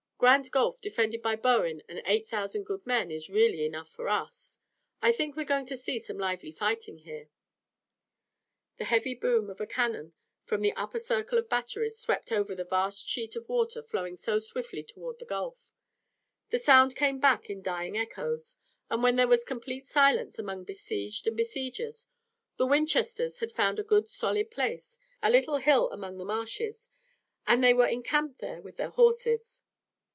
Grand Gulf defended by Bowen and eight thousand good men is really enough for us. I think we're going to see some lively fighting here." The heavy boom of a cannon from the upper circle of batteries swept over the vast sheet of water flowing so swiftly toward the Gulf. The sound came back in dying echoes, and then there was complete silence among besieged and besiegers. The Winchesters had found a good solid place, a little hill among the marshes, and they were encamped there with their horses.